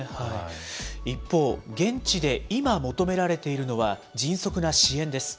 一方、現地で今求められているのは、迅速な支援です。